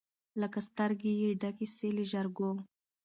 لکه سترګي چي یې ډکي سي له ژرګو